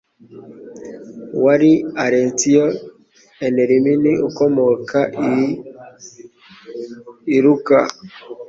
wari Alessio Intermini ukomoka i Lucca